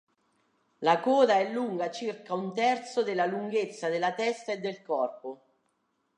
La coda è lunga circa un terzo della lunghezza della testa e del corpo.